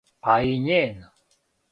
А и њен.